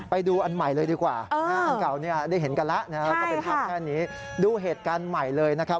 ไปดูอันใหม่เลยดีกว่าอันเก่าได้เห็นกันแล้วดูเหตุการณ์ใหม่เลยนะครับ